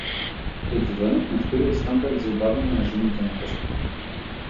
Еквивалент на вториот стандард за убавина за жените не постои.